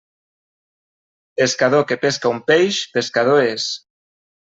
Pescador que pesca un peix, pescador és.